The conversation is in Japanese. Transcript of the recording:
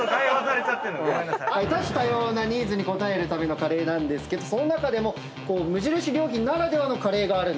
多種多様なニーズに応えるためのカレーなんですけどその中でも無印良品ならではのカレーがある。